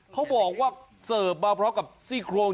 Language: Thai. เขาบอกว่าเสิร์ฟมาพร้อมกับซี่โครง